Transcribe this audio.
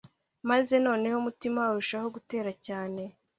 maze noneho umutima urushaho gutera cyane